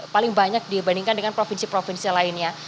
paling banyak dibandingkan dengan provinsi provinsi lainnya